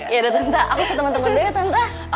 yaudah tante aku ke temen temen dulu ya tante